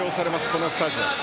このスタジアム。